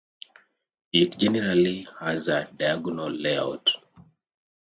It generally has a diagonal layout.